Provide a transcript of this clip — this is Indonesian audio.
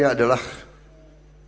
pengabdian kepada bangsa